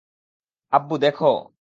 আব্বু, দেখো!